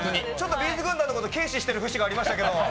Ｂ’ｚ軍団のこと軽視している節がありましたけど。